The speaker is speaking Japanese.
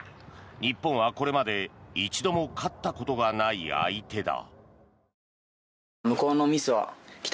日本はこれまで一度も勝ったことがない相手だ。